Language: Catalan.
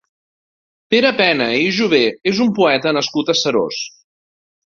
Pere Pena i Jové és un poeta nascut a Seròs.